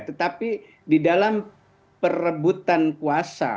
tetapi di dalam perebutan kuasa